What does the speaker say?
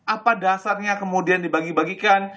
apa dasarnya kemudian dibagi bagikan